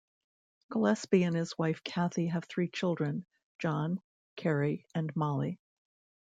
Gillespie and his wife Cathy have three children, John, Carrie, and Mollie.